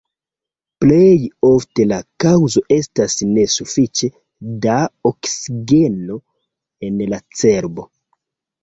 Plej ofte la kaŭzo estas ne sufiĉe da oksigeno en la cerbo.